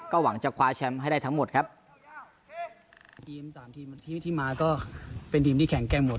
หวังจะคว้าแชมป์ให้ได้ทั้งหมดครับทีมสามทีมที่มาก็เป็นทีมที่แข็งแกร่งหมด